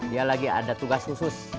dia lagi ada tugas khusus